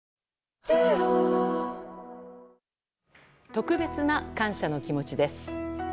特別な感謝の気持ちです。